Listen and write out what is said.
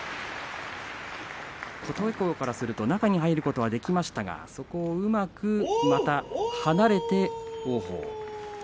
琴恵光からすると中に入ることはできましたがうまくまた離れて王鵬。